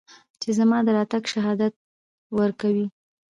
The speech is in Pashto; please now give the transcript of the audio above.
چې زما د راتګ شهادت ورکوي